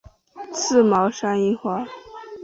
刺毛山樱花